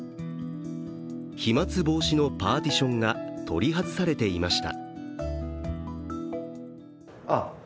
飛まつ防止のパーティションが取り外されていました。